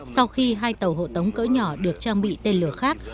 sau khi hai tàu hộ tống cỡ nhỏ được trang bị tên lửa khác